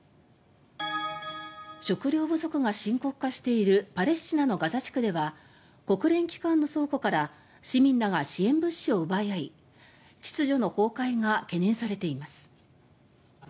食料不足が深刻化しているパレスチナのガザ地区では国連機関の倉庫から市民らが支援物資を奪い合い秩序の崩壊が懸念されています。